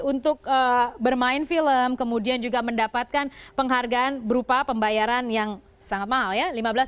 untuk bermain film kemudian juga mendapatkan penghargaan berupa pembayaran yang sangat mahal ya